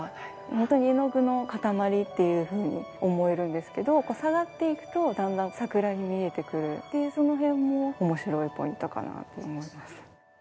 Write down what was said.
本当に絵の具の塊っていうふうに思えるんですけど下がっていくとだんだん桜に見えてくるっていうその辺も面白いポイントかなって思います。